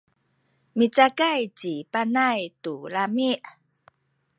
micakay ci Panay tu lami’.